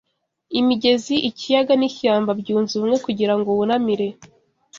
imigezi, ikiyaga, nishyamba, byunze ubumwe Kugirango wunamire